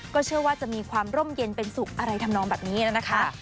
เชื่อว่าจะมีความร่มเย็นเป็นสุขอะไรทำนองแบบนี้นะคะ